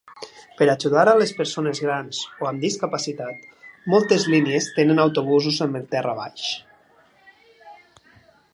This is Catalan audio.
Per ajudar les persones grans o amb discapacitat, moltes línies tenen autobusos amb el terra baix.